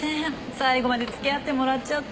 最後まで付き合ってもらっちゃって。